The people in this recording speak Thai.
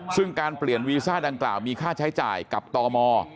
ซึ่งการเปลี่ยนวีซ่าดังกล่าวมีค่าใช้จ่ายกับตม